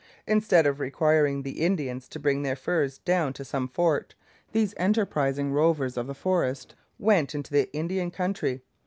Instead of requiring the Indians to bring their furs down to some fort, these enterprising rovers of the forest went into the Indian country.